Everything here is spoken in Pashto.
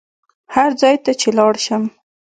هر ځای ته چې لاړ شم.